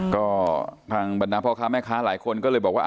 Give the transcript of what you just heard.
ก็ทางบรรดาพ่อค้าแม่ค้าหลายคนก็เลยบอกว่า